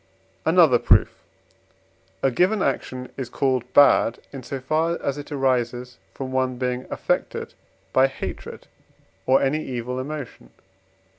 Another Proof. A given action is called bad, in so far as it arises from one being affected by hatred or any evil emotion.